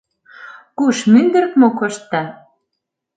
Куш, мӱндӱрк мо коштда?